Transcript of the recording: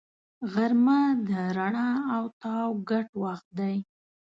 غرمه د رڼا او تاو ګډ وخت دی